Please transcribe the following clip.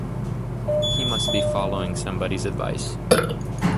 He must be following somebody's advice.